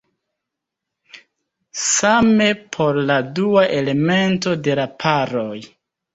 Same por la dua elemento de la paroj.